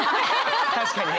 確かにね。